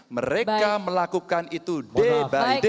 mereka melakukan itu debar ide